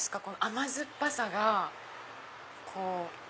甘酸っぱさがこう。